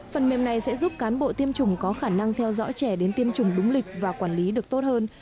phần mềm này sẽ giúp cán bộ tiêm chủng có khả năng theo dõi trẻ đến tiêm chủng đúng lịch và quản lý được tốt hơn